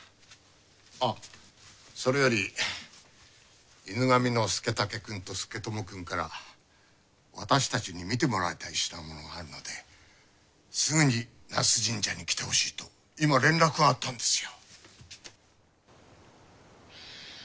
あっそれより犬神の佐武くんと佐智くんから私たちに見てもらいたい品物があるのですぐに那須神社に来てほしいと今連絡があったんですよ。